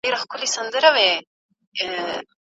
د ارغنداب سیند ته د کندهار د بزګرانو ستره تمه ده.